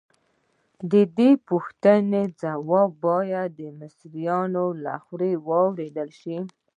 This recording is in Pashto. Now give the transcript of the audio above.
د دې پوښتنو ځواب باید د مصریانو له خولې واورېدل شي.